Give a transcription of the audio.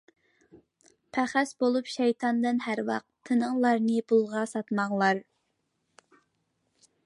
پەخەس بولۇپ شەيتاندىن ھەر ۋاق، تىنىڭلارنى پۇلغا ساتماڭلار.